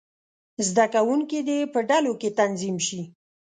زده کوونکي دې په ډلو کې تنظیم شي.